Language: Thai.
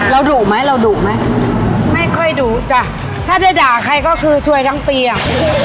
ดุไหมเราดุไหมไม่ค่อยดุจ้ะถ้าได้ด่าใครก็คือซวยทั้งปีอ่ะ